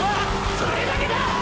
それだけだ！！！